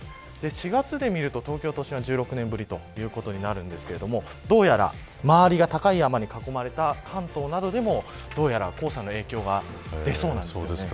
４月でみると、東京都心は１６年ぶりということになりますがどうやら周りが高い山に囲まれた関東などでも黄砂の影響が出そうなんです。